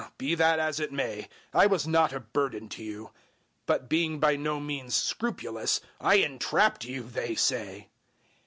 Be that as it may: I was not a burden to you. But being by no means scrupulous, I entrapped you, they say!